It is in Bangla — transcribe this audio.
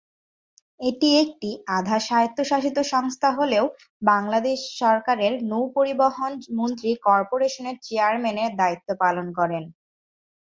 এটি একটি আধা স্বায়ত্তশাসিত সংস্থা হলেও বাংলাদেশ সরকারের নৌ-পরিবহন মন্ত্রী কর্পোরেশনের চেয়ারম্যানের দায়িত্ব পালন করেন।